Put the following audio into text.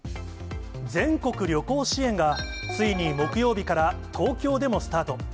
全国旅行支援がついに木曜日から東京でもスタート。